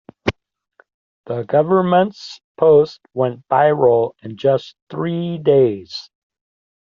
The government's post went viral in just three days.